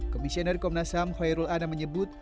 komisioner komnas ham hoerul ana menyebut